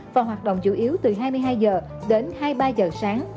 và hoạt động chủ yếu từ hai mươi hai h đến hai mươi ba giờ sáng